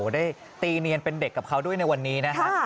ได้ตีเนียนเป็นเด็กกับเขาด้วยในวันนี้นะฮะ